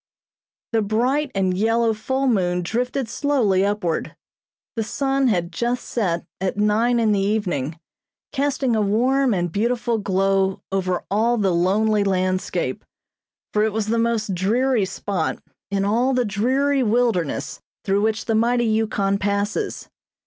The bright and yellow full moon drifted slowly upward. The sun had just set at nine in the evening, casting a warm and beautiful glow over all the lonely landscape, for it was the most dreary spot in all the dreary wilderness through which the mighty Yukon passes.